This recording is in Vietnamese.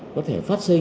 có thể phát sinh